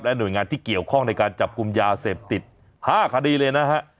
หน่วยงานที่เกี่ยวข้องในการจับกลุ่มยาเสพติด๕คดีเลยนะฮะ